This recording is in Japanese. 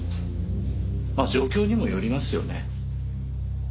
まあ状況にもよりますよね。